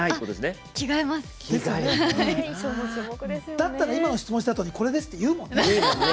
だったら今の質問したあとこれですって言うもんね。